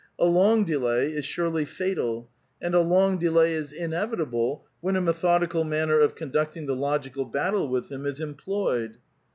A long delay is surely fatal ; and a long delay is inevitable when a methc^di cal manner of conducting the logical battle with him is em ployed.